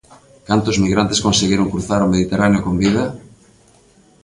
Cantos migrantes conseguiron cruzar o Mediterráneo con vida?